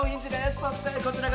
そして、こちらが。